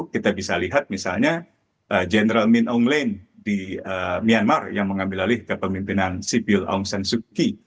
kita bisa lihat misalnya general min aung hlaing di myanmar yang mengambil alih kepemimpinan sipil aung san suu kyi